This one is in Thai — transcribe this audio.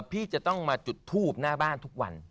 พี่จะต้องมาจุดทูบหน้าบ้านทุกวัน